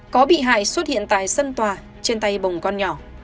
có bị hại xuất hiện tại sân tòa trên tay bồng con nhỏ